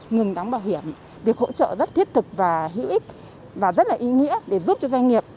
ngừng đóng bảo hiểm việc hỗ trợ rất thiết thực và hữu ích và rất là ý nghĩa để giúp cho doanh nghiệp